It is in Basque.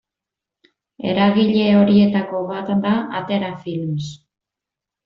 Eragile horietako bat da Atera Films.